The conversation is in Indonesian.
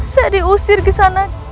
saya diusir kesana